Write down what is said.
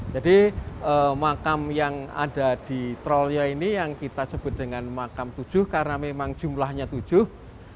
jadi makam yang ada di trolloyo ini yang kita sebut dengan makam tujuh karena memang jumlahnya tujuh